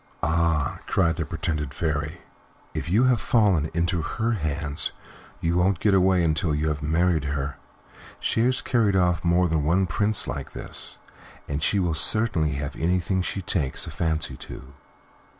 "Ah!" cried the pretended Fairy, "if you have fallen into her hands, you won't get away until you have married her. She has carried off more than one Prince like this, and she will certainly have anything she takes a fancy to."